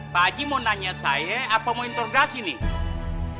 pagi mau nanya saya apa mau interogasi nih